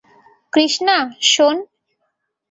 কৃষ্ণা, শোন।